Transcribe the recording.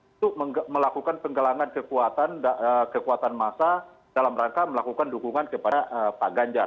untuk melakukan penggelangan kekuatan massa dalam rangka melakukan dukungan kepada pak ganjar